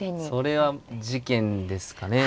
それは事件ですかね。